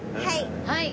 はい。